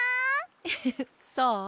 フフフそう？